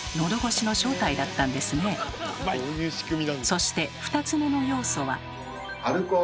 そして２つ目の要素は。